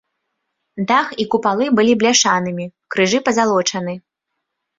Дах і купалы былі бляшанымі, крыжы пазалочаны.